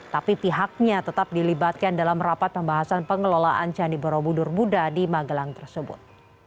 tapi pihaknya tetap dilibatkan dalam rapat pembahasan pengelolaan candi borobudur buddha di magelang tersebut